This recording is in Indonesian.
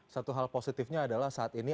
satu hal positifnya adalah saat ini